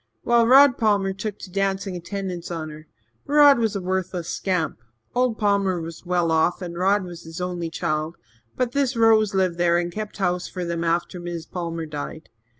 Well, Rod Palmer took to dancin' attendance on her. Rod was a worthless scamp. Old Palmer was well off and Rod was his only child, but this Rose lived there and kept house for them after Mis' Palmer died.